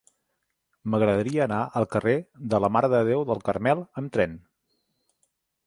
M'agradaria anar al carrer de la Mare de Déu del Carmel amb tren.